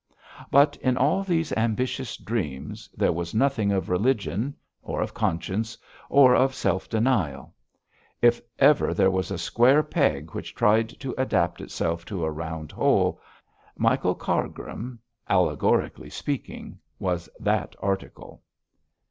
But in all these ambitious dreams there was nothing of religion, or of conscience, or of self denial. If ever there was a square peg which tried to adapt itself to a round hole, Michael Cargrim, allegorically speaking, was that article.